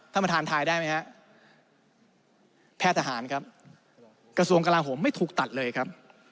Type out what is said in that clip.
ท่านประธานทายได้ไหมฮะแพทย์ทหารครับกระทรวงกลาโหมไม่ถูกตัดเลยครับ